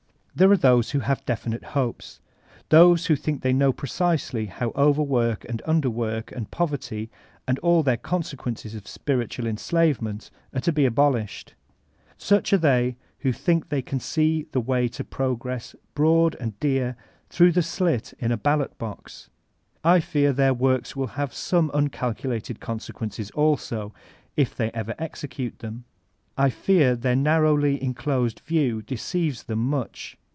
There are those who have definite hopes; those who think diey know precisely how overwork and underwork and poverty, and aO their consequences of spiritual en* sbvement, are to be abolished. Such are they who think 2S2 Voltahinb db CLsm they can see the way of progress broad and dear tfaroQgh the slit in a ballot box. I fear their works will have some tincalculated consequences also, if ever they execute them ; I fear their narrowly enclosed view deceives them mnch.